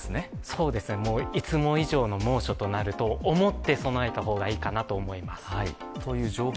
そうですね、いつも以上の猛暑になると思って備えた方がいいかなと思います。